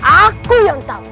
aku yang tahu